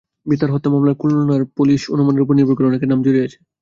বিথার হত্যা মামলায় খুলনার পুলিশ অনুমানের ওপর নির্ভর করে অনেকের নাম জড়িয়েছে।